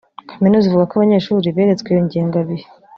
Kaminuza ivuga ko abanyeshuri beretswe iyo ngengabihe